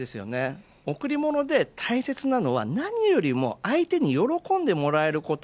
贈り物で大切なのは、何よりも相手に喜んでもらえること。